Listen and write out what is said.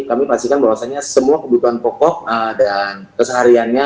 kami pastikan bahwasannya semua kebutuhan pokok dan kesehariannya